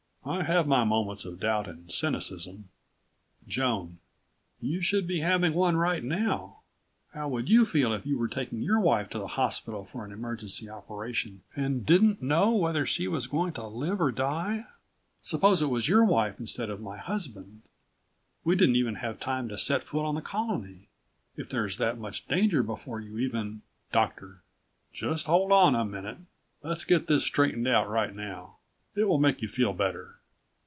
I have my moments of doubt and cynicism.... Joan: You should be having one right now. How would you feel if you were taking your wife to the hospital for an emergency operation and didn't know whether she was going to live or die? Suppose it was your wife instead of my husband? We didn't even have time to set foot in the Colony. If there's that much danger before you even Doctor: Just hold on a minute. Let's get this straightened out right now. It will make you feel better.